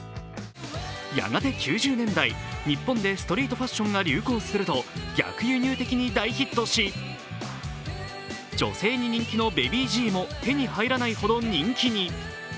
やがて９０年代、日本でストリートファッションが流行すると逆輸入的に大ヒットし女性に人気のＢＡＢＹ−Ｇも手に入らないほど人気に。